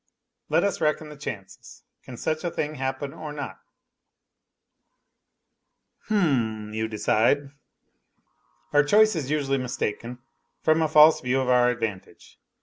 Let us reckon the chances can such a thing happen or not ?" H'm !" you decide. " Our choice is usually mistaken from a false view of our advantage.